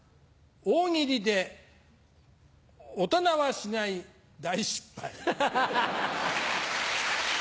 大喜利で大人はしない大失敗。